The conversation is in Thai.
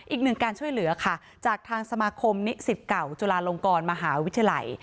อีกหนึ่งการช่วยเหลือค่ะจากทางสมาคมนิสิตเก่าจุฬาลงกรมหาวิทยาลัย